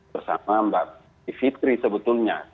bersama mbak fitri sebetulnya